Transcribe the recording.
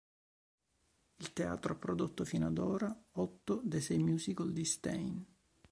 Il teatro ha prodotto, fino ad ora, otto dei musical di Stein.